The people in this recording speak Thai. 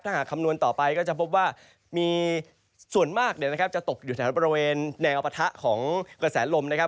ถ้าหากคำนวณต่อไปก็จะพบว่ามีส่วนมากจะตกอยู่แถวบริเวณแนวปะทะของกระแสลมนะครับ